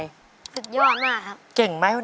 สุดยอดมากครับ